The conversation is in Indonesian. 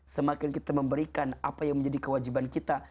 semakin kita memberikan apa yang menjadi kewajiban kita